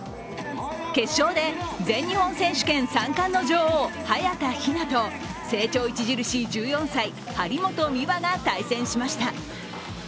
決勝で、全日本選手権３冠の女王早田ひなと成長著しい１４歳、張本美和が対戦しました。